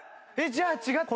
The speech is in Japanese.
じゃあ違った。